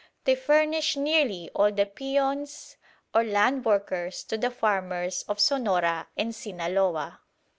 They furnish nearly all the 'peones' or land workers to the farmers of Sonora and Sinaloa.